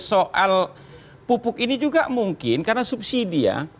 soal pupuk ini juga mungkin karena subsidi ya